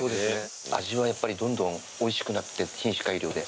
味はやっぱりどんどんおいしくなって品種改良で。